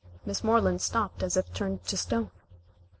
Miss Moreland stopped as if turned to stone.